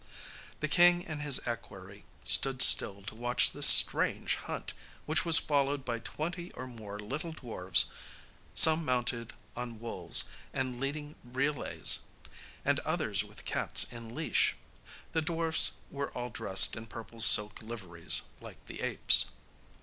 The king and his equerry stood still to watch this strange hunt, which was followed by twenty or more little dwarfs, some mounted on wolves, and leading relays, and others with cats in leash. The dwarfs were all dressed in purple silk liveries like the apes.